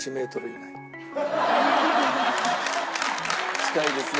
近いですね。